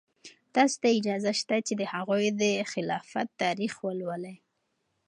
تاسو ته اجازه شته چې د هغوی د خلافت تاریخ ولولئ.